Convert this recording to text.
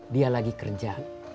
dia lagi kerja